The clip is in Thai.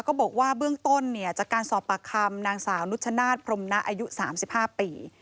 ก็บอกว่าเบื้องต้นเนี่ยจากการสอบปากคำนางสาวนุชนาธิพรมนะอายุ๓๕ปี